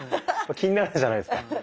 気になるじゃないですか。